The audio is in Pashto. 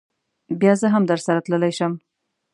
بیا زه هم درسره تللی شم.